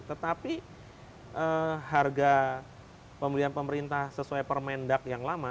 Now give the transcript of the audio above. tetapi harga pembelian pemerintah sesuai permendak yang lama